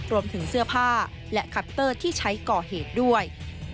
รวมถึงเสื้อผ้าและคัตเตอร์ที่ใช้ก่อเหตุด้วย